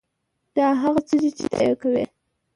دا هغه څه دي چې ته یې کوې